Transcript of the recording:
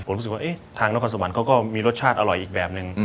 ผมรู้สึกว่าทางนครสวรรค์เขาก็มีรสชาติอร่อยอีกแบบนึง